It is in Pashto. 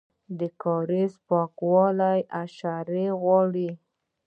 د کاریز پاکول حشر غواړي؟